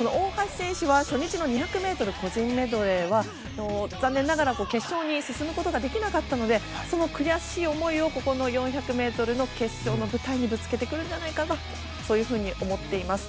大橋選手は初日の２００ｍ個人メドレーは残念ながら決勝に進むことができなかったのでその悔しい思いをここの４００ｍの決勝の舞台にぶつけてくるんじゃないかと思っています。